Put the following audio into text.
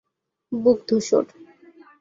বুক ধূসর।